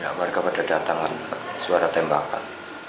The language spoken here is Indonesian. ya warga pada datangan suara tembakan